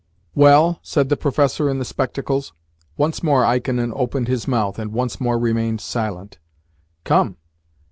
"Well?" said the professor in the spectacles. Once more Ikonin opened his mouth, and once more remained silent. "Come!